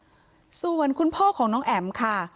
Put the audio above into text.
กลับบ้านหรือเปล่าส่วนคุณพ่อของน้องแอมค่ะ